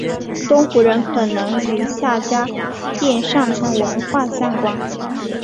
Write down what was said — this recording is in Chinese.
东胡人可能与夏家店上层文化相关。